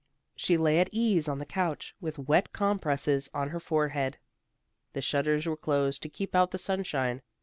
She lay at ease on the couch, with wet compresses on her forehead. The shutters were closed to keep out the sunshine.